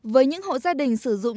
với những hộ gia đình sử dụng